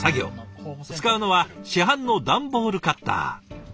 使うのは市販の段ボールカッター。